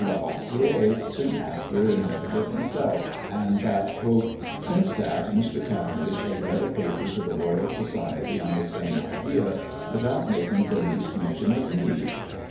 Lavoisier soon after invented it himself; and that "since that, Mr. Cavendish has read a paper to the Royal Society on the same idea, without making the least mention of me."